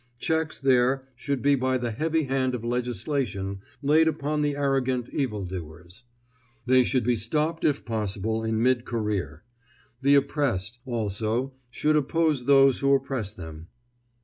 Checks there should be by the heavy hand of legislation laid upon the arrogant evildoers. They should be stopped if possible in mid career. The oppressed, also, should oppose those who oppress them.